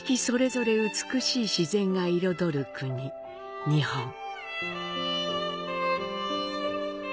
それぞれ美しい自然が彩る国、日本。